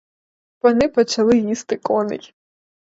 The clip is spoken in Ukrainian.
Пани почали їсти коней.